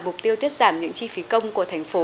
mục tiêu tiết giảm những chi phí công của thành phố